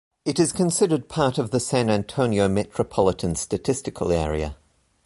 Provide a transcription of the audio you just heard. It is considered part of the San Antonio Metropolitan Statistical Area.